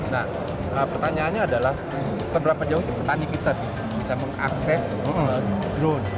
nah pertanyaannya adalah seberapa jauh sih petani kita bisa mengakses drone